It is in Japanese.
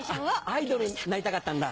アイドルになりたかったんだ。